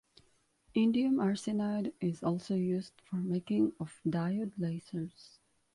Indium arsenide is also used for making of diode lasers.